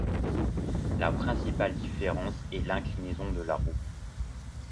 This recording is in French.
La principale différence est l’inclinaison de la roue.